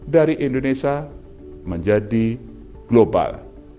dari indonesia menjadi global